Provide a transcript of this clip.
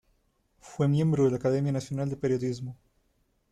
Fue miembro de la Academia Nacional de Periodismo.